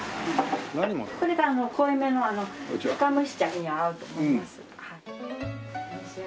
これが濃いめの深蒸し茶に合うと思います。